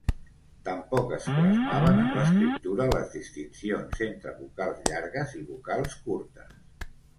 Tampoc es plasmaven en l'escriptura les distincions entre vocals llargues i vocals curtes.